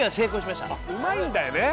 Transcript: うまいんだよね